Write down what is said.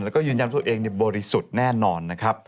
แล้วก็ยืนยันตัวเองบริสุทธิ์แน่นอนนะครับ